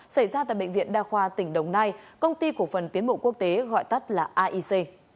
xảy ra tại bệnh viện đa khoa tỉnh đồng nai công ty cổ phần tiến bộ quốc tế gọi tắt là aic